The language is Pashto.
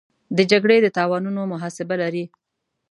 د جګړې د تاوانونو محاسبه لري.